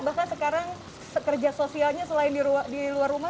bahkan sekarang kerja sosialnya selain di luar rumah